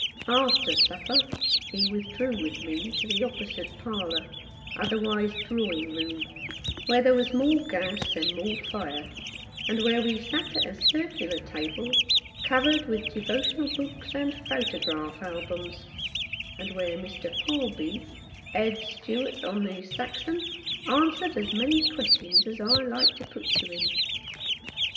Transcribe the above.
After supper he withdrew with me to the opposite parlour, otherwise drawing room, where there was more gas and more fire, and where we sat at a circular table covered with devotional books and photograph albums, and where Mr. Palby, Head Steward on the Saxon, answered as many questions as I liked to put to him.